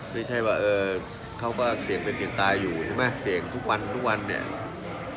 ไม่ใช่ว่าเออเขาก็เสี่ยงเป็นเสี่ยงตายอยู่ใช่ไหมเสี่ยงทุกวันทุกวันเนี่ย